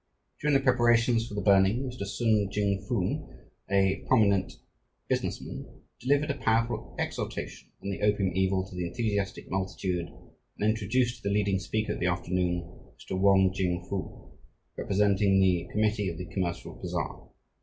During the preparations for the burning, Mr. Sun Ching Foong, a prominent business man, delivered a powerful exhortation on the opium evil to the enthusiastic multitude and introduced the leading speaker of the afternoon, Mr. Wong Ching Foo, representing the Committee of the Commercial Bazaar.